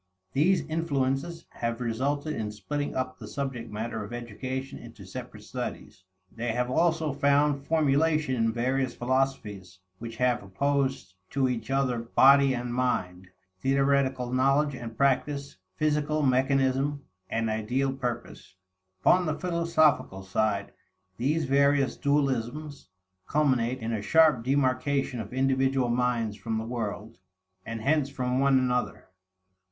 These influences have resulted in splitting up the subject matter of education into separate studies. They have also found formulation in various philosophies which have opposed to each other body and mind, theoretical knowledge and practice, physical mechanism and ideal purpose. Upon the philosophical side, these various dualisms culminate in a sharp demarcation of individual minds from the world, and hence from one another.